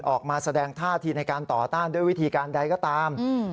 ออกมาแสดงท่าทีในการต่อต้านด้วยวิธีการใดก็ตาม